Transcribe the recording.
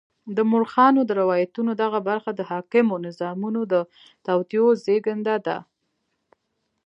د مورخانو د روایتونو دغه برخه د حاکمو نظامونو د توطیو زېږنده ده.